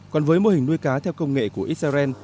còn với mô hình nuôi cá theo công nghệ của israel